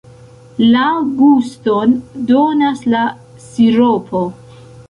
La guston donas la siropo.